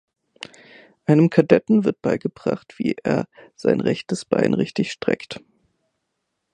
Einem Kadetten wird beigebracht, wie er sein rechtes Bein richtig streckt.